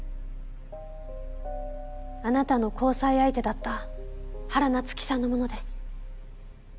あなたの交際相手だった原菜月さんのものです。